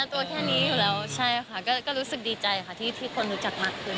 ตัวแค่นี้อยู่แล้วใช่ค่ะก็รู้สึกดีใจค่ะที่คนรู้จักมากขึ้น